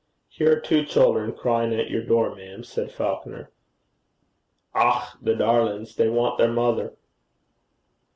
'Here are two children crying at your door, ma'am,' said Falconer. 'Och, the darlin's! they want their mother.'